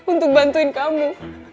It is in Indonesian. untuk bantuin kamu